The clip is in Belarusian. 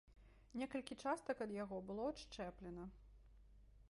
Некалькі частак ад яго было адшчэплена.